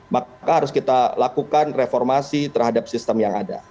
maka harus kita lakukan reformasi terhadap sistem yang ada